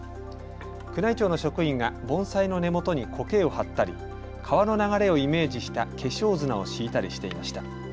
宮内庁の職員が盆栽の根元にこけを張ったり川の流れをイメージした化粧砂を敷いたりしていました。